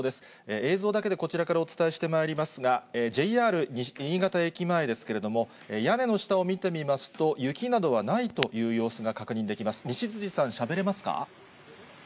映像だけで、こちらからお伝えしてまいりますが、ＪＲ新潟駅前ですけれども、屋根の下を見てみますと、雪などはないという様子が確認できます。